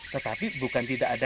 tetapi bukan tidak ada